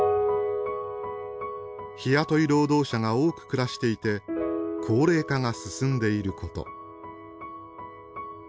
日雇い労働者が多く暮らしていて高齢化が進んでいること。